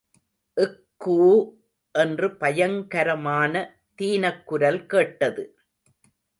க்கூ என்று பயங்கரமான தீனக் குரல் கேட்டது.